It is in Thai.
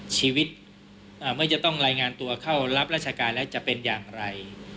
ชีวิตเมื่อจะต้องรายงานตัวเข้ารับราชการแล้วจะเป็นอย่างไร